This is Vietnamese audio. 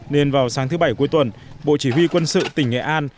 nên vào sáng thứ bảy cuối tuần bộ chỉ huy quân sự tỉnh nghệ an